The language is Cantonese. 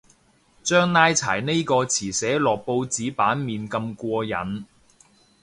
將拉柴呢個詞寫落報紙版面咁過癮